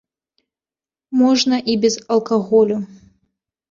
Можна і без алкаголю.